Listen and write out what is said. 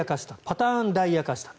パターンダイヤ化した。